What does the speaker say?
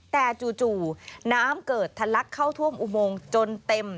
แต่จู่น้ำเกิดทะลักเข้าท่วมอุโมงจนเต็ม